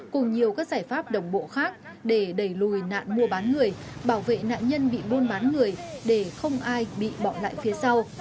cùng nhiều các giải pháp đồng bộ khác để đẩy lùi nạn mua bán người bảo vệ nạn nhân bị buôn bán người để không ai bị bỏ lại phía sau